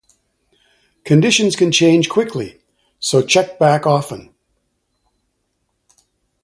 Conditions can change quickly, so check back often.